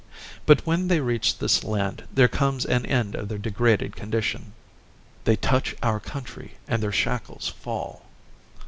But when they reach this land there comes an end to their degraded condition. "They touch our country and their shackles fall."